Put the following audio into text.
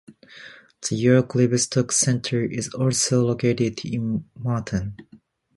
The York Livestock Centre is also located in Murton.